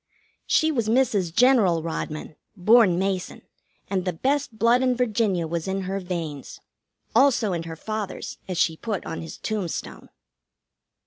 She was Mrs. General Rodman, born Mason, and the best blood in Virginia was in her veins. Also in her father's, as she put on his tombstone.